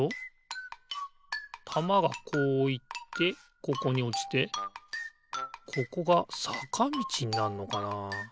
たまがこういってここにおちてここがさかみちになんのかな？